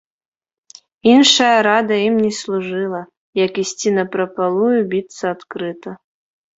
Іншая рада ім не служыла, як ісці напрапалую, біцца адкрыта.